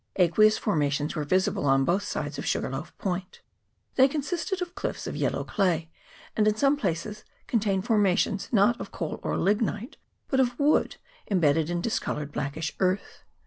Aqueous formations were visible on both sides of Sugarloaf Point ; they consisted of cliffs of yel low clay, and in some places contain formations not of coal or lignite, but of wood, embedded in dis coloured blackish earth.